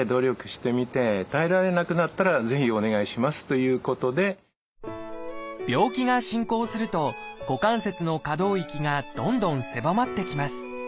もう少し自分で病気が進行すると股関節の可動域がどんどん狭まってきます。